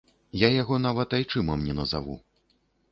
Я яго нават айчымам не назаву.